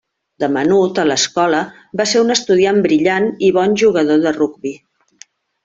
De menut, a l'escola, va ser un estudiant brillant i bon jugador de rugbi.